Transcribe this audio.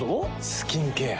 スキンケア。